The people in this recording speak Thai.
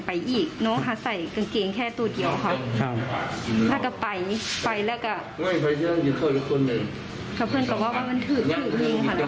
เพราะว่ารถหันโอบมาหันมันโอบมาถนุนเส้นหน้าบ้านพวกนี้